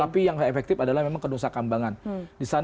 tapi yang efektif adalah memang ke rusakambangan